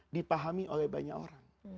dipahami oleh banyak orang